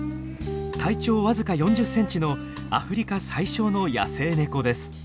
体長わずか４０ｃｍのアフリカ最小の野生ネコです。